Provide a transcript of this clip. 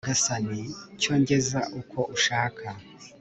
nyagasani cyo ngeza uko ushaka